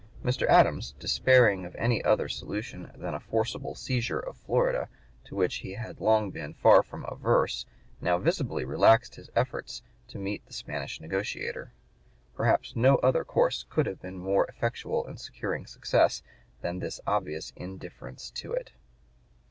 Mr. Adams, despairing of any other solution than a forcible seizure of Florida, to which he had long been far from averse, now visibly relaxed his efforts to meet the Spanish negotiator. Perhaps no other course could have been more effectual in securing success than this obvious indifference to it.